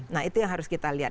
nah itu yang harus kita lihat